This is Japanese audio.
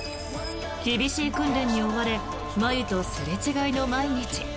厳しい訓練に追われ真夢とすれ違いの毎日。